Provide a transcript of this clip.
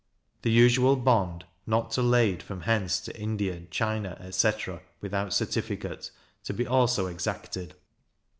The usual bond, not to lade from hence to India, China, etc. without certificate, to be also exacted.